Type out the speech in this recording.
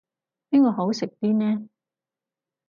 邊個好食啲呢